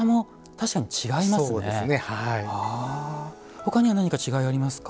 ほかには何か違いありますか？